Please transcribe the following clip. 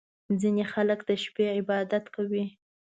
• ځینې خلک د شپې عبادت کوي.